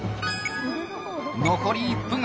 残り１分半。